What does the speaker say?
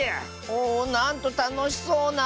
おおなんとたのしそうな。